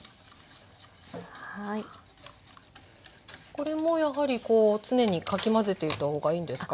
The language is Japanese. これもやはりこう常にかき混ぜていた方がいいんですか？